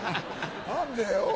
何でよ。